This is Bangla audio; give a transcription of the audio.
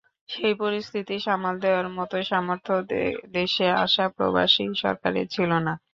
সেই পরিস্থিতি সামাল দেওয়ার মতো সামর্থ্য দেশে আসা প্রবাসী সরকারের ছিল না।